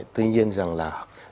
tuy nhiên rằng là